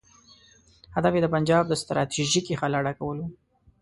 هدف یې د پنجاب د ستراتیژیکې خلا ډکول وو.